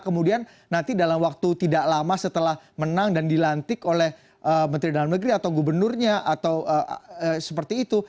kemudian nanti dalam waktu tidak lama setelah menang dan dilantik oleh menteri dalam negeri atau gubernurnya atau seperti itu